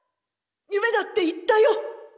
夢だって言ったよ。